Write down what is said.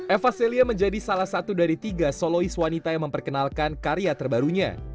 eva celia menjadi salah satu dari tiga solois wanita yang memperkenalkan karya terbarunya